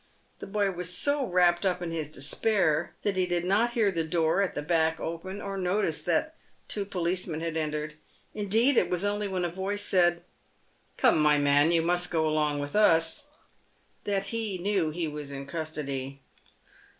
The boy was so wrapped up in his despair that he did not hear the door at the back open, or notice that two policemen had entered. Indeed, it was only when a voice said, " Come, my man, you must go along with us," that he knew he was in custody.